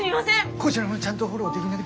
こちらもちゃんとフォローでぎなくて。